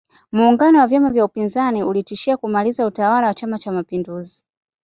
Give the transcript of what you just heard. muungano wa vyama vya upinzani ulitishia kumaliza utawala wa chama cha mapinduzi